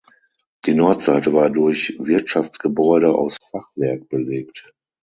Die Nordseite war durch Wirtschaftsgebäude aus Fachwerk belegt.